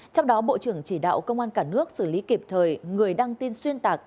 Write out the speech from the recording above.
trong đó bộ trưởng chỉ đạo công an cả nước xử lý kịp thời người đăng tin xuyên tạc